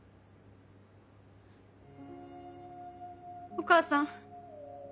お母さん。